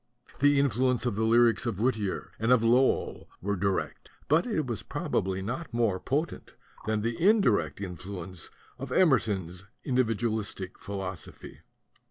The influence of the lyrics of Whittier and of Lowell was direct; but it was probably not more potent than the indirect influence of Emerson's individualize philosophy.